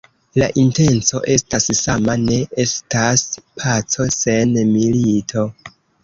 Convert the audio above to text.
La intenco estas sama: ne estas paco sen milito.